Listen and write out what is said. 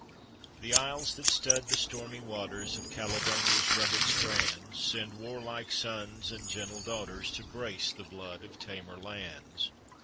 The Isles that stud the stormy waters Of Caledonia's rugged strands, Send warlike sons and gentle daughters To brace the blood of tamer lands.